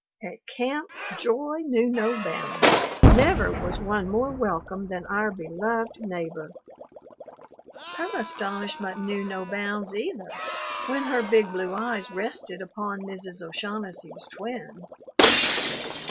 At camp, joy knew no bounds. Never was one more welcome than our beloved neighbor. Her astonishment knew no bounds either, when her big blue eyes rested upon Mrs. O'Shaughnessy's "twins."